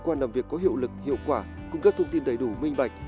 cơ quan làm việc có hiệu lực hiệu quả cung cấp thông tin đầy đủ minh bạch